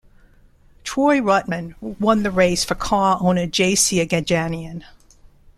Troy Ruttman won the race for car owner J. C. Agajanian.